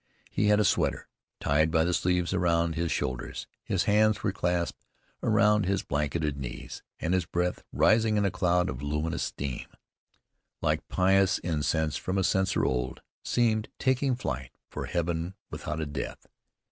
He had a sweater, tied by the sleeves, around his shoulders. His hands were clasped around his blanketed knees, and his breath, rising in a cloud of luminous steam, "Like pious incense from a censer old, Seemed taking flight for heaven without a death."